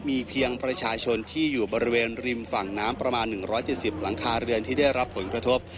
มีเพียงประชาชนที่อยู่บริเวณริมฝั่งน้ำประมาณ๑๗๐หลังคาเรือนที่ได้รับผลกระทบ